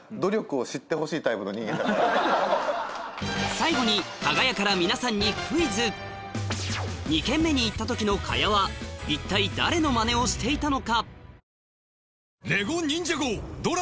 最後に皆さんに２軒目に行った時の賀屋は一体誰のマネをしていたのか？